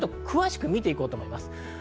詳しく見ていこうと思います。